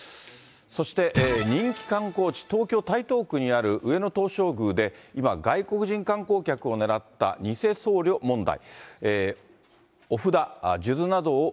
そして人気観光地、東京・台東区にある上野東照宮で、今、外国人観光客を狙った偽僧侶問題。